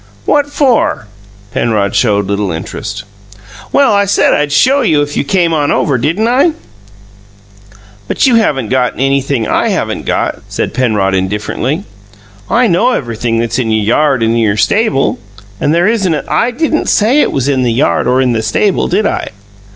"What for?" Penrod showed little interest. "Well, I said I'd show you if you came on over, didn't I?" "But you haven't got anything I haven't got," said Penrod indifferently. "I know everything that's in your yard and in your stable, and there isn't a thing " "I didn't say it was in the yard or in the stable, did I?"